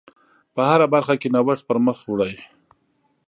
په هره برخه کې نوښت پر مخ وړئ.